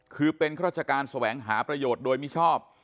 คือเป็นข้าราชการแสวงหาประโยชน์โดยมิชอบ